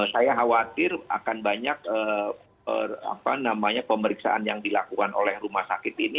saya khawatir akan banyak pemeriksaan yang dilakukan oleh rumah sakit ini